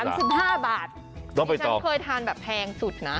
ต้องไปต่อคุณที่ฉันเคยทานแบบแพงสุดนะ